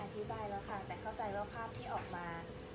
อธิบายแล้วค่ะแต่เข้าใจว่าภาพที่ออกมา